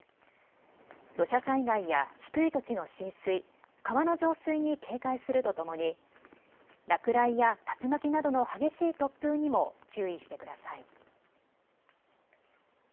土砂災害や低い土地の浸水、川の増水に警戒するとともに落雷や竜巻などの激しい突風にも注意してください。